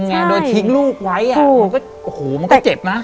แต่ขอให้เรียนจบปริญญาตรีก่อน